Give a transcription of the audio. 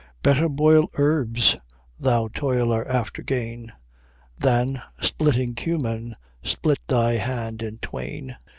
"Better boil herbs, thou toiler after gain, Than, splitting cummin, split thy hand in twain."